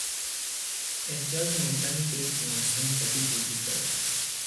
احتیاج مبرمی به یک بیمارستان جدید وجود دارد.